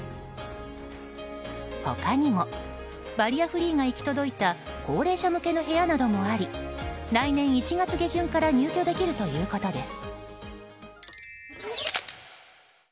他にもバリアフリーが行き届いた高齢者向けの部屋などもあり来年１月下旬から入居できるということです。